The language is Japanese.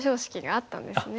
あっそうですね。